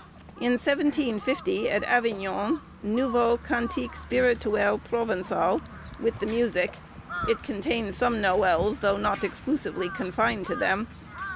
In 1750, at Avignon, 'Nouveaux Cantiques Spirituels Provençaux,' with the music; it contains some noëls, though not exclusively confined to them.